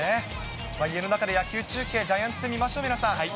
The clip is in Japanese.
家の中で野球中継、ジャイアンツ戦見ましょう、皆さん。